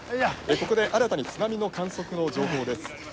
「ここで新たに津波の観測の情報です。